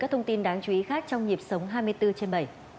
các thông tin đáng chú ý khác trong nhịp sống hai mươi bốn trên bảy